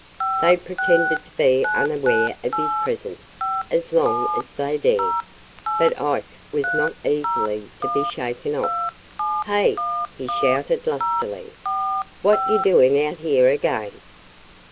They pretended to be unaware of his presence as long as they dared. But Ike was not easily to be shaken off. "Hey!" he shouted lustily. "What ye doing out here again?"